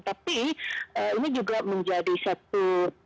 tapi ini juga menjadi satu